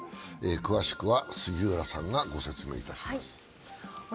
詳しくは杉浦さんがご説明いたします。